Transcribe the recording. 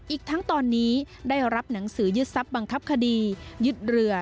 อีกทั้งตอนนี้ได้รับหนังสือยึดทรัพย์บังคับคดียึดเรือ